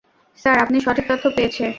Sir, আপনি সঠিক তথ্য পেয়েছে।